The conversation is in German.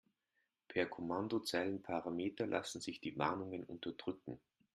Per Kommandozeilenparameter lassen sich die Warnungen unterdrücken.